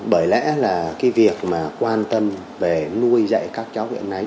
bởi lẽ là cái việc mà quan tâm về nuôi dạy các cháu viện ái